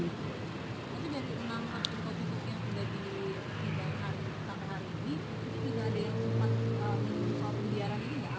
itu jadi enam hakim kondusif yang sudah dihidangkan setengah hari ini